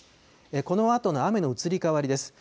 このあとの雨の移り変わりです。